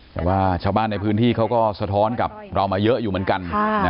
แต่ว่าชาวบ้านในพื้นที่เขาก็สะท้อนกับเรามาเยอะอยู่เหมือนกัน